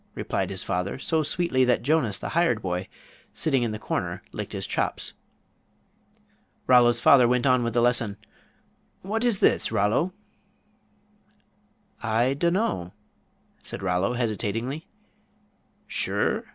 replied his father, so sweetly that Jonas, the hired boy, sitting in the corner, licked his chops. Rollo's father went on with the lesson: "What is this, Rollo?" "I dunno," said Rollo, hesitatingly. "Sure?"